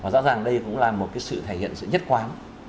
rõ ràng đây cũng là một sự thể hiện sự nhất quán